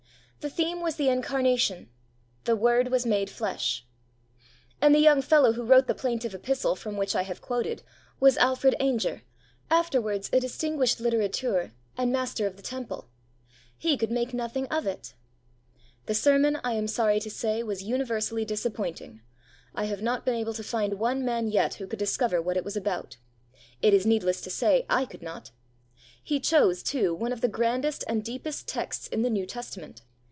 The theme was the Incarnation 'The Word was made flesh.' And the young fellow who wrote the plaintive epistle from which I have quoted was Alfred Ainger, afterwards a distinguished litterateur and Master of the Temple. He could make nothing of it. 'The sermon, I am sorry to say, was universally disappointing. I have not been able to find one man yet who could discover what it was about. It is needless to say I could not. He chose, too, one of the grandest and deepest texts in the New Testament.